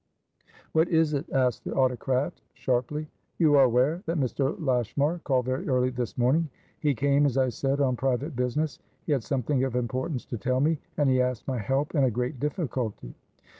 "What is it?" asked the autocrat, sharply. "You are aware that Mr. Lashmar called very early this morning. He came, as I said, on private business. He had something of importance to tell me, and he asked my help in a great difficulty."